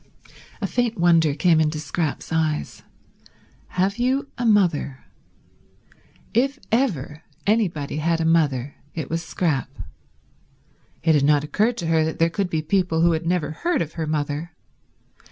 A faint wonder came into Scrap's eyes. Have you a mother? If ever anybody had a mother it was Scrap. It had not occurred to her that there could be people who had never heard of her mother.